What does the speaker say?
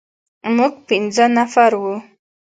موږ پنځه نفر وو.